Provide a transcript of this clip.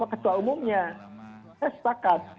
ketua umumnya saya sepakat